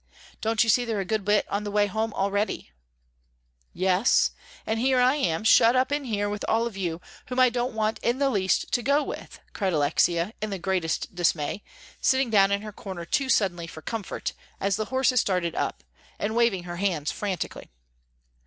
"Don't you see they're a good bit on the way home already?" "Yes, and here I am shut up in here with all of you, whom I don't want in the least to go with," cried Alexia, in the greatest dismay, sitting down in her corner too suddenly for comfort, as the horses started up, and waving her hands frantically.